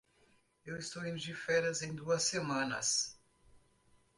Eu estou indo de férias em duas semanas.